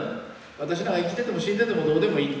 私なんか生きてても死んでてもどうでもいいと。